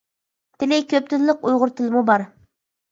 تىلى: كۆپ تىللىق، ئۇيغۇر تىلىمۇ بار.